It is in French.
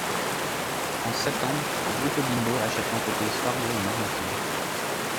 En septembre, Grupo Bimbo achète l’entreprise Fargo en Argentine.